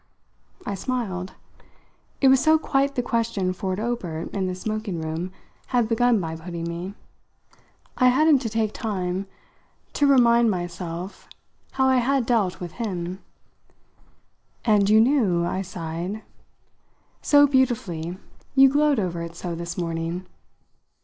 I smiled; it was so quite the question Ford Obert, in the smoking room, had begun by putting me. I hadn't to take time to remind myself how I had dealt with him. "And you knew," I sighed, "so beautifully, you glowed over it so, this morning!"